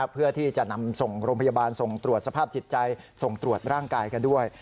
เพื่อที่จะนำส่งโรงพยาบาลส่งตรวจสภาพจิตใจส่งตรวจร่างกายกันด้วย